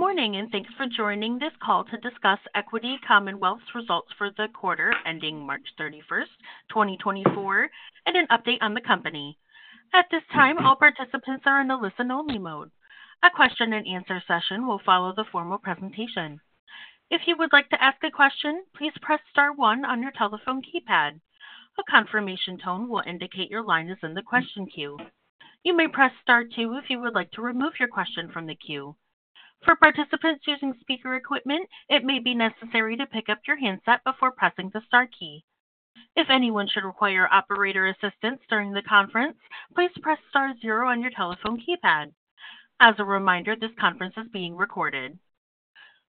Good morning, and thanks for joining this call to discuss Equity Commonwealth's results for the quarter ending March 31, 2024, and an update on the company. At this time, all participants are in a listen-only mode. A question and answer session will follow the formal presentation. If you would like to ask a question, please press star one on your telephone keypad. A confirmation tone will indicate your line is in the question queue. You may press Star two if you would like to remove your question from the queue. For participants using speaker equipment, it may be necessary to pick up your handset before pressing the Star key. If anyone should require operator assistance during the conference, please press Star zero on your telephone keypad. As a reminder, this conference is being recorded.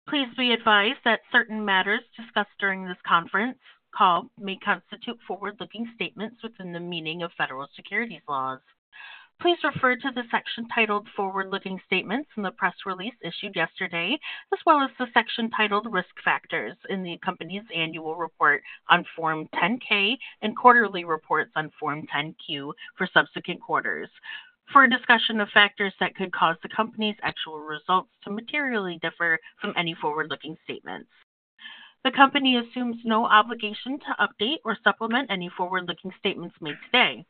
Please be advised that certain matters discussed during this conference call may constitute forward-looking statements within the meaning of federal securities laws. Please refer to the section titled Forward-Looking Statements in the press release issued yesterday, as well as the section titled Risk Factors in the company's Annual Report on Form 10-K and Quarterly Reports on Form 10-Q for subsequent quarters for a discussion of factors that could cause the company's actual results to materially differ from any forward-looking statements. The company assumes no obligation to update or supplement any forward-looking statements made today.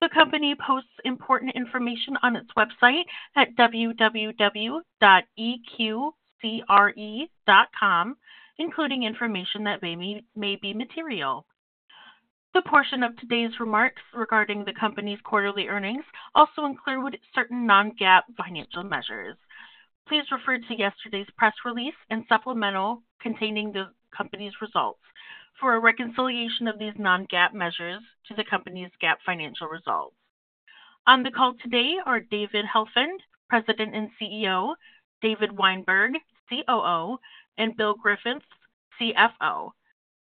The company posts important information on its website at www.eqcre.com, including information that may be material. The portion of today's remarks regarding the company's quarterly earnings also include certain non-GAAP financial measures. Please refer to yesterday's press release and supplemental containing the company's results for a reconciliation of these non-GAAP measures to the company's GAAP financial results. On the call today are David Helfand, President and CEO, David Weinberg, COO, and Bill Griffiths, CFO.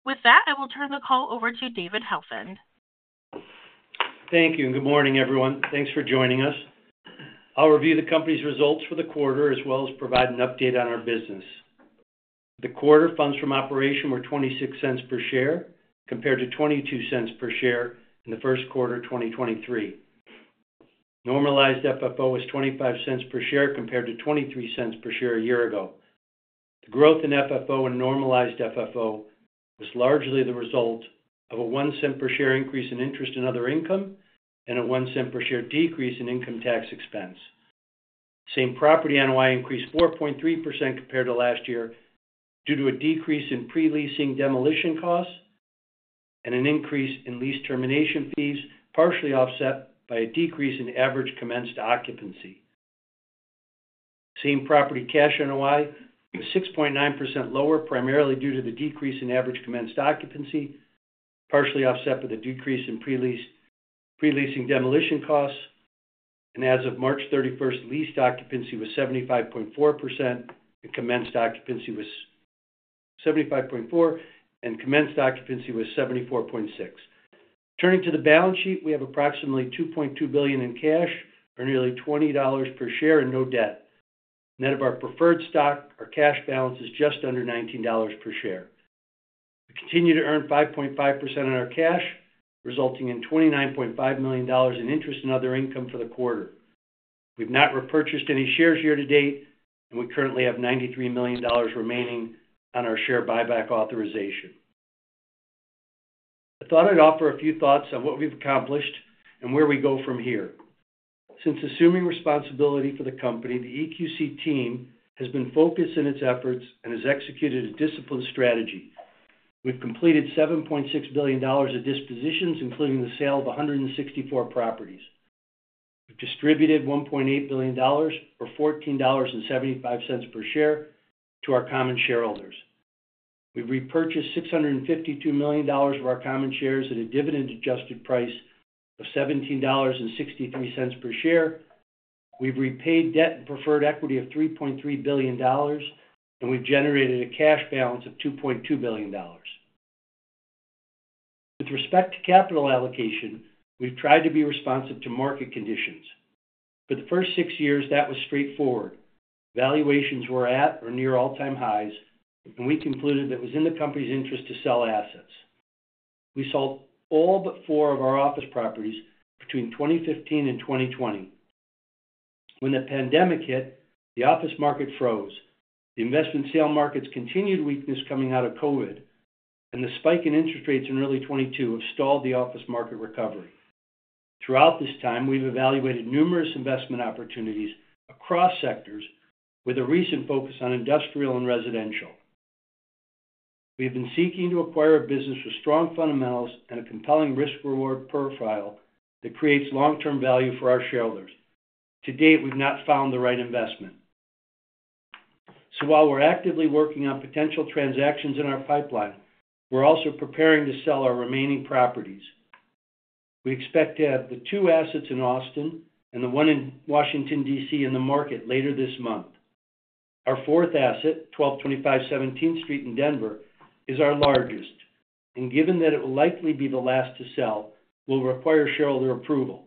With that, I will turn the call over to David Helfand. Thank you, and good morning, everyone. Thanks for joining us. I'll review the company's results for the quarter, as well as provide an update on our business. The quarter funds from operations were $0.26 per share, compared to $0.22 per share in the first quarter of 2023. Normalized FFO was $0.25 per share, compared to $0.23 per share a year ago. The growth in FFO and normalized FFO was largely the result of a $0.01 per share increase in interest and other income, and a $0.01 per share decrease in income tax expense. Same property NOI increased 4.3% compared to last year due to a decrease in pre-leasing demolition costs and an increase in lease termination fees, partially offset by a decrease in average commenced occupancy. Same property cash NOI was 6.9% lower, primarily due to the decrease in average commenced occupancy, partially offset by the decrease in pre-leasing demolition costs, and as of March 31, leased occupancy was 75.4%, and commenced occupancy was 75.4, and commenced occupancy was 74.6. Turning to the balance sheet, we have approximately $2.2 billion in cash, or nearly $20 per share and no debt. Net of our preferred stock, our cash balance is just under $19 per share. We continue to earn 5.5% on our cash, resulting in $29.5 million in interest and other income for the quarter. We've not repurchased any shares year to date, and we currently have $93 million remaining on our share buyback authorization. I thought I'd offer a few thoughts on what we've accomplished and where we go from here. Since assuming responsibility for the company, the EQC team has been focused in its efforts and has executed a disciplined strategy. We've completed $7.6 billion of dispositions, including the sale of 164 properties. We've distributed $1.8 billion, or $14.75 per share to our common shareholders. We've repurchased $652 million of our common shares at a dividend-adjusted price of $17.63 per share. We've repaid debt and preferred equity of $3.3 billion, and we've generated a cash balance of $2.2 billion. With respect to capital allocation, we've tried to be responsive to market conditions. For the first six years, that was straightforward. Valuations were at or near all-time highs, and we concluded that it was in the company's interest to sell assets. We sold all but four of our office properties between 2015 and 2020. When the pandemic hit, the office market froze. The investment sale market's continued weakness coming out of COVID, and the spike in interest rates in early 2022 have stalled the office market recovery. Throughout this time, we've evaluated numerous investment opportunities across sectors with a recent focus on industrial and residential. We have been seeking to acquire a business with strong fundamentals and a compelling risk-reward profile that creates long-term value for our shareholders. To date, we've not found the right investment. So while we're actively working on potential transactions in our pipeline, we're also preparing to sell our remaining properties. We expect to have the two assets in Austin and the one in Washington, D.C., in the market later this month. Our fourth asset, 1225 Seventeenth Street in Denver, is our largest, and given that it will likely be the last to sell, will require shareholder approval.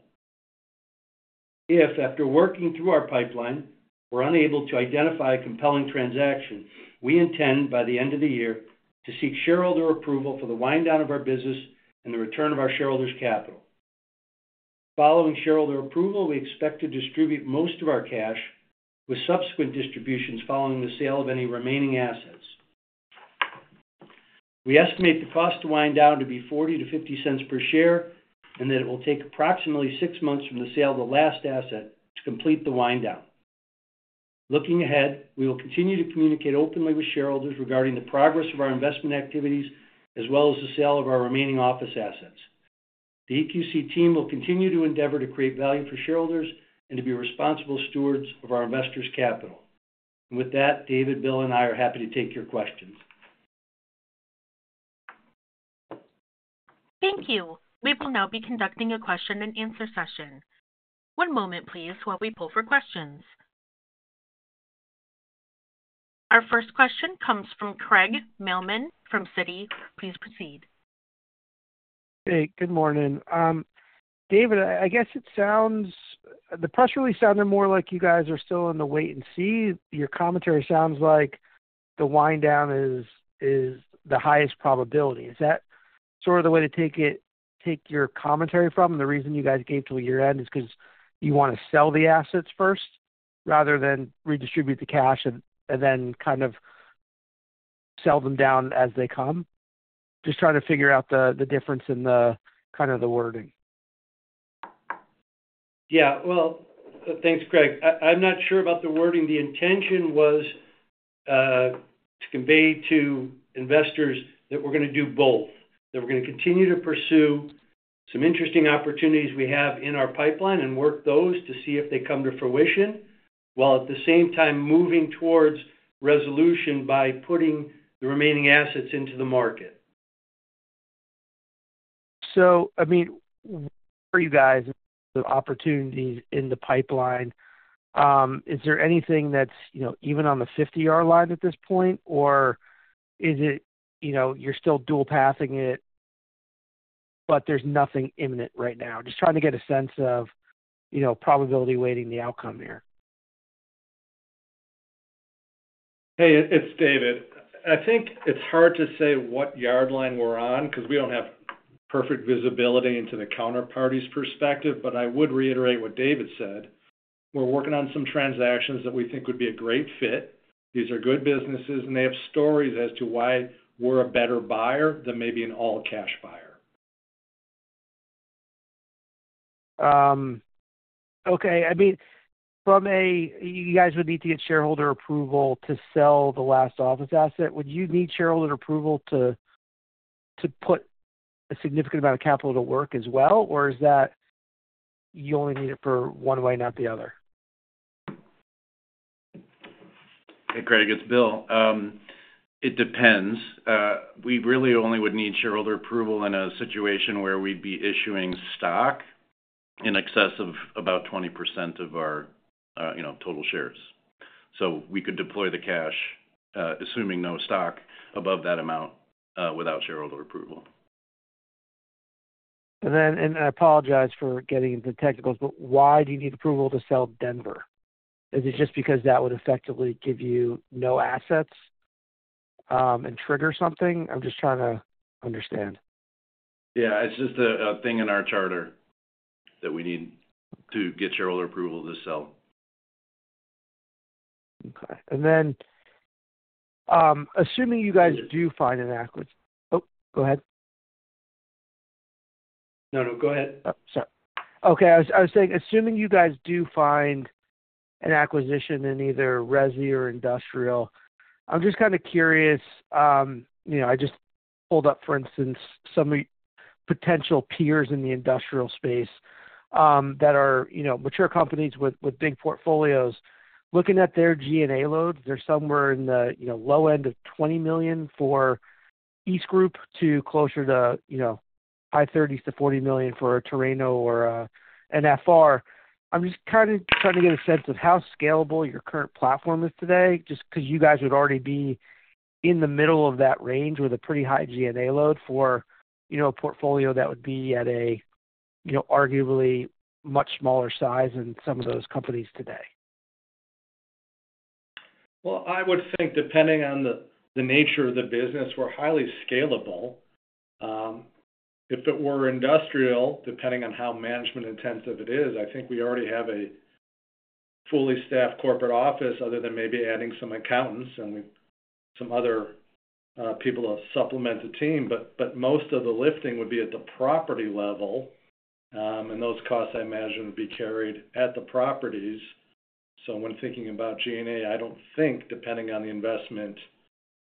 If, after working through our pipeline, we're unable to identify a compelling transaction, we intend, by the end of the year, to seek shareholder approval for the wind down of our business and the return of our shareholders' capital. Following shareholder approval, we expect to distribute most of our cash, with subsequent distributions following the sale of any remaining assets. We estimate the cost to wind down to be $0.40-$0.50 per share, and that it will take approximately 6 months from the sale of the last asset to complete the wind down. Looking ahead, we will continue to communicate openly with shareholders regarding the progress of our investment activities, as well as the sale of our remaining office assets. The EQC team will continue to endeavor to create value for shareholders and to be responsible stewards of our investors' capital. With that, David, Bill, and I are happy to take your questions. Thank you. We will now be conducting a question-and-answer session. One moment please, while we poll for questions. Our first question comes from Craig Mailman from Citi. Please proceed. Hey, good morning. David, I guess it sounds like the press release sounded more like you guys are still in the wait and see. Your commentary sounds like the wind down is the highest probability. Is that sort of the way to take it, your commentary from? And the reason you guys gave till year-end is because you want to sell the assets first rather than redistribute the cash and then kind of sell them down as they come? Just trying to figure out the difference in the kind of the wording. Yeah. Well, thanks, Craig. I'm not sure about the wording. The intention was to convey to investors that we're gonna do both. That we're gonna continue to pursue some interesting opportunities we have in our pipeline and work those to see if they come to fruition, while at the same time moving towards resolution by putting the remaining assets into the market. So, I mean, for you guys, the opportunities in the pipeline, is there anything that's, you know, even on the 50-yard line at this point, or is it, you know, you're still dual pathing it, but there's nothing imminent right now? Just trying to get a sense of, you know, probability weighting the outcome there. Hey, it's David. I think it's hard to say what yard line we're on, 'cause we don't have perfect visibility into the counterparty's perspective. But I would reiterate what David said. We're working on some transactions that we think would be a great fit. These are good businesses, and they have stories as to why we're a better buyer than maybe an all-cash buyer. Okay. I mean, from a you guys would need to get shareholder approval to sell the last office asset. Would you need shareholder approval to put a significant amount of capital to work as well? Or is that you only need it for one way, not the other? Hey, Craig, it's Bill. It depends. We really only would need shareholder approval in a situation where we'd be issuing stock in excess of about 20% of our, you know, total shares. So we could deploy the cash, assuming no stock above that amount, without shareholder approval. And then, I apologize for getting into the technicals, but why do you need approval to sell Denver? Is it just because that would effectively give you no assets, and trigger something? I'm just trying to understand. Yeah, it's just a thing in our charter that we need to get shareholder approval to sell. Okay. And then, assuming you guys do find an acquir- Oh, go ahead. No, no, go ahead. Oh, sorry. Okay, I was, I was saying, assuming you guys do find an acquisition in either resi or industrial, I'm just kind of curious. You know, I just pulled up, for instance, some potential peers in the industrial space, that are, you know, mature companies with, with big portfolios. Looking at their G&A loads, they're somewhere in the, you know, low end of $20 million for each group, to closer to, you know, high 30s-$40 million for a Terreno or an FR. I'm just trying to, trying to get a sense of how scalable your current platform is today, just 'cause you guys would already be in the middle of that range with a pretty high G&A load for, you know, a portfolio that would be at a, you know, arguably much smaller size than some of those companies today. Well, I would think, depending on the nature of the business, we're highly scalable. If it were industrial, depending on how management intensive it is, I think we already have a fully staffed corporate office, other than maybe adding some accountants and some other people to supplement the team. But most of the lifting would be at the property level, and those costs, I imagine, would be carried at the properties. So when thinking about G&A, I don't think, depending on the investment,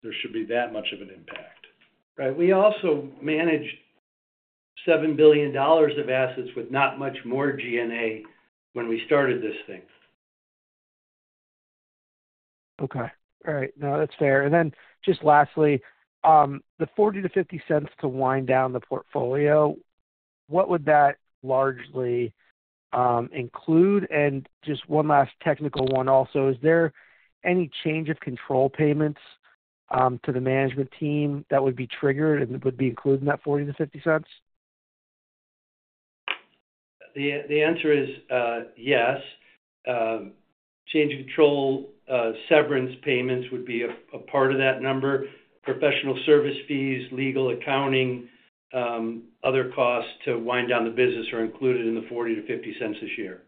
there should be that much of an impact. Right. We also managed $7 billion of assets with not much more G&A when we started this thing. Okay. All right. No, that's fair. And then just lastly, the $0.40-$0.50 to wind down the portfolio, what would that largely include? And just one last technical one also, is there any Change of Control payments to the management team that would be triggered and would be included in that $0.40-$0.50? The answer is, yes. Change of Control severance payments would be a part of that number. Professional service fees, legal, accounting, other costs to wind down the business are included in the $0.40-$0.50 a share.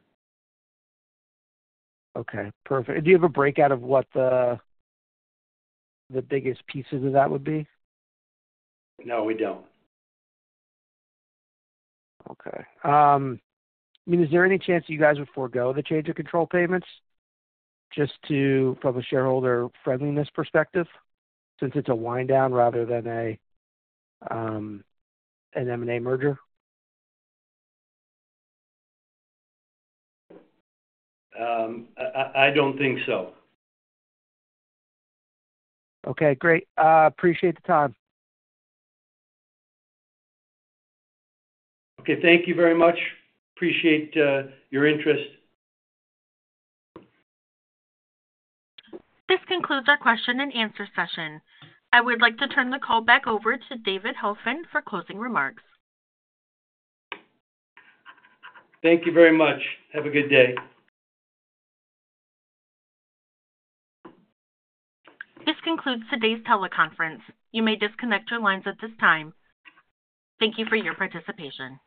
Okay, perfect. Do you have a breakout of what the biggest pieces of that would be? No, we don't. Okay. I mean, is there any chance you guys would forgo the Change of Control payments just to, from a shareholder friendliness perspective, since it's a wind down rather than a, an M&A merger? I don't think so. Okay, great. Appreciate the time. Okay, thank you very much. Appreciate your interest. This concludes our question and answer session. I would like to turn the call back over to David Helfand for closing remarks. Thank you very much. Have a good day. This concludes today's teleconference. You may disconnect your lines at this time. Thank you for your participation.